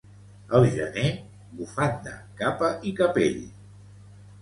Al gener, bufanda, capa i capell.